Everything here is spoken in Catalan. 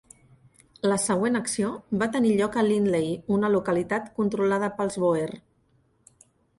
La següent acció va tenir lloc a Lindley, una localitat controlada pels Boer.